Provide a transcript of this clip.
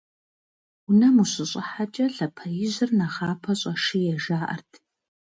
Унэм ущыщӏыхьэкӏэ лъапэ ижьыр нэхъапэ щӏэшие жаӏэрт.